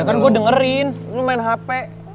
ya kan gua dengerin lu main hp